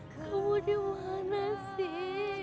kau dimana sih